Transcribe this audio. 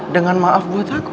dengan maaf buat aku